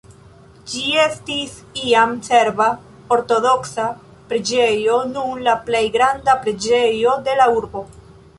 Ĝi estis iam serba ortodoksa preĝejo, nun la plej granda preĝejo de la urbo.